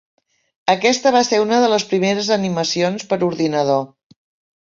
Aquesta va ser una de les primeres animacions per ordinador.